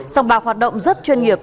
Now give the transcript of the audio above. sòng bạc hoạt động rất chuyên nghiệp